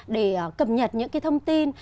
để cập nhật những thông tin